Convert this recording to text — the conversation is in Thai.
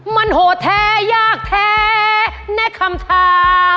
มันโหดแท้ยากแท้ในคำถาม